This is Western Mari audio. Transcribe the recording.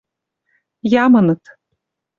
Ямыныт...